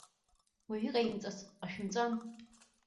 Уаҩ иҟаимҵац ҟашәымҵан!